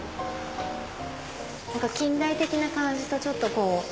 近代的な感じとちょっとこう。